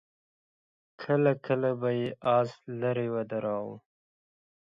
کله کله به يې آس ليرې ودراوه.